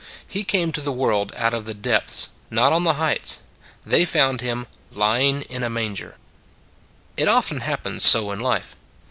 He came to the world out of the depths, not on the heights. They found Him " ly ing in a manger." 99 It often happens so in life.